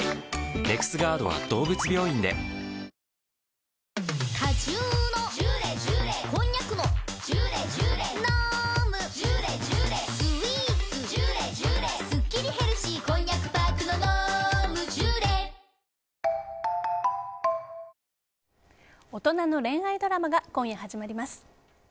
「ディアナチュラ」大人の恋愛ドラマが今夜、始まります。